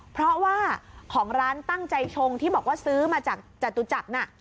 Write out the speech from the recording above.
เพราะว่าของร้านตั้งใจชงที่บอกว่าซื้อมาจากจตุจักรน่ะ